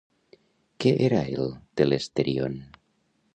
Què era el Telesterion?